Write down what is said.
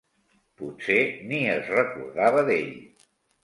Potser ni es recordava d'ell.